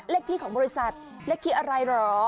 เลขที่ของบริษัทเลขที่อะไรเหรอ